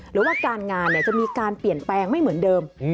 หรือว่าการงานจะมีการเปลี่ยนแปลงไม่เหมือนเดิม